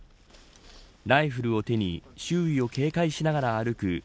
ライフルを手に周囲を警戒しながら歩く